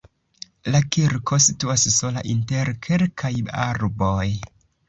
La kirko situas sola inter kelkaj arboj.